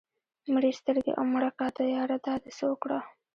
مړې سترګې او مړه کاته ياره دا دې څه اوکړه